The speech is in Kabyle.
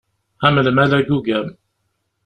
Am lmal agugam.